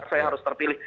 saya harus terpilih